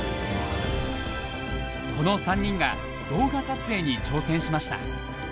この３人が動画撮影に挑戦しました。